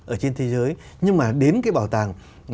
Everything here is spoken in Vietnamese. ở trên thế giới nhưng mà đến cái bảo tàng